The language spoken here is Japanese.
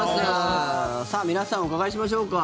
さあ、皆さんお伺いしましょうか。